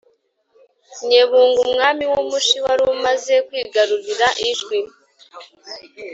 nyebunga, umwami w'umushi wari umaze kwigarurira ijwi.